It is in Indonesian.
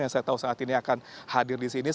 yang saya tahu saat ini akan hadir di sini